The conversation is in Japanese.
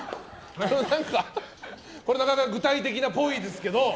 これはなかなか具体的なぽいですけど。